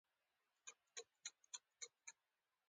بهلول په ځواب کې ورته وایي.